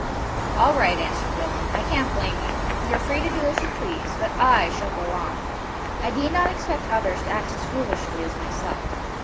"All right," answered Willem. "I can't blame you. You are free to do as you please; but I shall go on. I need not expect others to act as foolishly as myself.